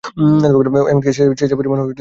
এমনকি সেচের পরিমাণ নির্ণয় করা সম্ভব।